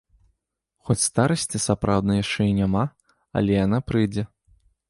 Хоць старасці сапраўднай яшчэ і няма, але яна прыйдзе.